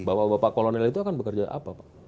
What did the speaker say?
bapak bapak kolonel itu akan bekerja apa pak